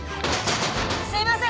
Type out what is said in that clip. すいません！